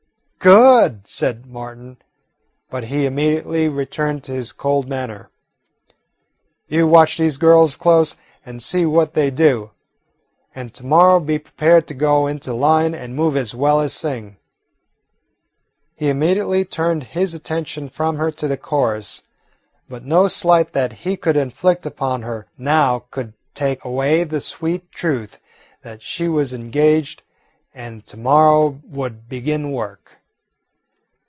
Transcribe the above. "Good!" said Martin, but he immediately returned to his cold manner. "You watch these girls close and see what they do, and to morrow be prepared to go into line and move as well as sing." He immediately turned his attention from her to the chorus, but no slight that he could inflict upon her now could take away the sweet truth that she was engaged and to morrow would begin work.